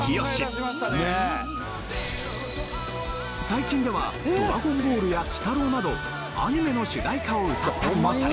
最近では『ドラゴンボール』や『鬼太郎』などアニメの主題歌を歌ったりもされました。